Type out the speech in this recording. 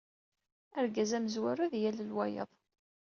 Argaz amezwaru ad yalel wayeḍ.